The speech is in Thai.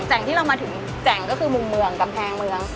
่งที่เรามาถึงแจ่งก็คือมุมเมืองกำแพงเมือง